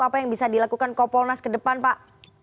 apa yang bisa dilakukan kompolnas ke depan pak